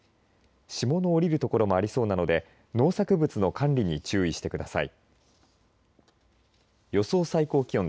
霜の降りる所もありそうなので農作物の管理に注意してください。